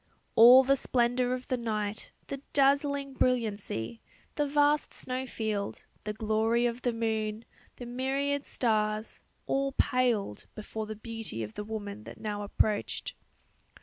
All the splendour of the night, the dazzling brilliancy, the vast snow field, the glory of the moon, the myriad stars, all paled before the beauty of the woman that now approached.